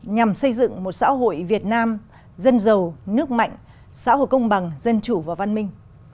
nhằm xây dựng một xã hội việt nam dân giàu nước mạnh xã hội công bằng dân chủ và văn minh